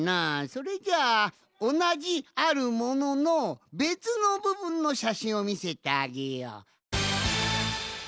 それじゃあおなじ「あるもの」のべつのぶぶんのしゃしんをみせてあげよう。